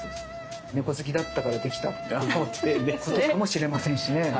猫好きだったからできたっていうことかもしれませんしね。